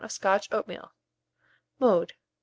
of Scotch oatmeal. Mode.